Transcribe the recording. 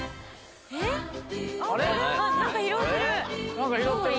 何か拾ってる！